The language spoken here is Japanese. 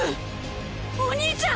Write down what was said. お兄ちゃん！